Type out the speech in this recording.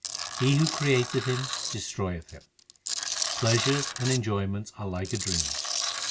He who created him, destroyeth him. Pleasures and enjoyments are like a dream.